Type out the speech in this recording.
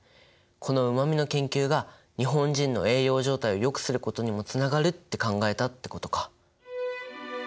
このうま味の研究が日本人の栄養状態をよくすることにもつながるって考えたってことか。